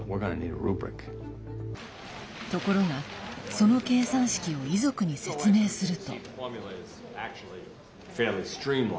ところが、その計算式を遺族に説明すると。